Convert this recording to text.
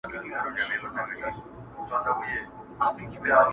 ستا د هجران په تبه پروت یم مړ به سمه٫